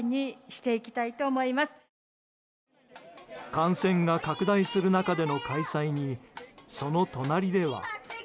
感染が拡大する中での開催にその隣では。